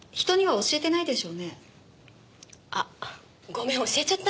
あごめん教えちゃった。